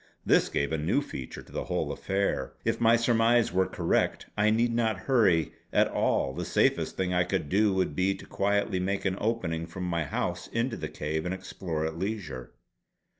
This gave a new feature to the whole affair. If my surmise were correct I need not hurry at all; the safest thing I could do would be to quietly make an opening from my house into the cave, and explore at leisure.